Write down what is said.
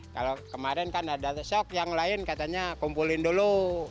kalau kemarin kan ada shock yang lain katanya kumpulin dulu